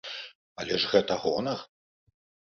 Але ж гэта гонар.